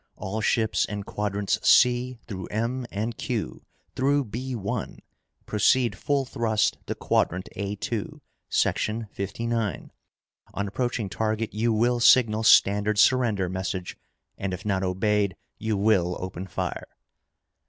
All ships in quadrants C through M and Q through B l! Proceed full thrust to quadrant A 2, section fifty nine. On approaching target you will signal standard surrender message, and if not obeyed, you will open fire!"